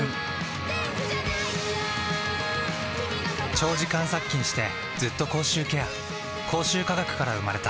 長時間殺菌してずっと口臭ケア口臭科学から生まれた